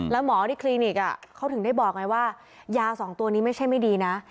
แล้วหมอที่คลินิกเขาถึงได้บอกไงว่ายาสองตัวนี้ไม่ใช่ไม่ดีนะ